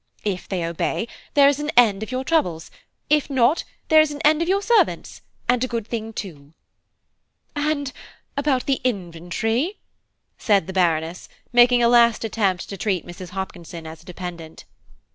If they obey, there is an end of your troubles; if not, there is an end of your servants, and a good thing too." "And about the inventory?" said the Baroness, making a last attempt to treat Mrs. Hopkinson as a dependent.